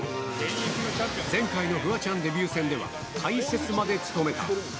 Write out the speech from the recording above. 前回のフワちゃんデビュー戦では、解説まで務めた。